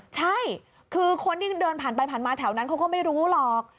ใช่คือคนที่เดินผ่านไปผ่านมาแถวนั้นเขาก็ไม่รู้หรอก